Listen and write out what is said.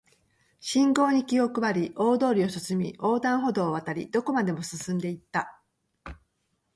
信号に気を配り、大通りを進み、横断歩道を渡り、どこまでも進んで行った